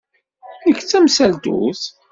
Nekk d tamsaltut.